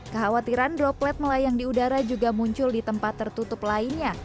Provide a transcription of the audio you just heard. kekhawatiran droplet melayang di udara juga muncul di tempat tertutup lainnya